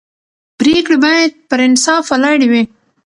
پرېکړې باید پر انصاف ولاړې وي